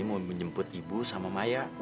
mau menjemput ibu sama maya